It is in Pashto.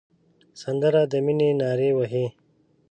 سندره د مینې نارې وهي